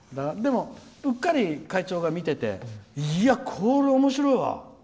うっかり会長が見てていや、これ、おもしろいわ！